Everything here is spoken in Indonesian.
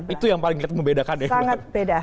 itu yang paling membedakan ya sangat beda